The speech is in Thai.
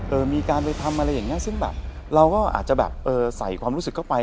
มีการไปทำอะไรอย่างเงี้ซึ่งแบบเราก็อาจจะแบบเออใส่ความรู้สึกเข้าไป